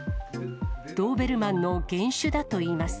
ドーベルマンの原種だといいます。